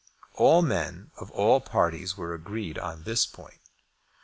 And all men of all parties were agreed on this point.